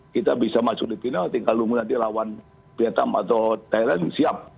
kita bisa masuk di final tinggal nanti lawan vietnam atau thailand siap